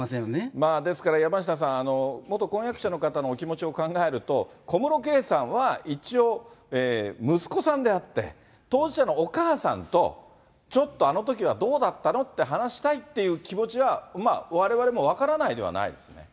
まあ、ですから山下さん、元婚約者の方のお気持ちを考えると、小室圭さんは一応、息子さんであって、当事者のお母さんとちょっとあのときはどうだったのって話したいっていう気持ちは、われわれも分からないではないですね。